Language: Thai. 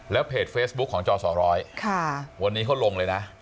เพจเฟซบุ๊คของจอสอร้อยวันนี้เขาลงเลยนะ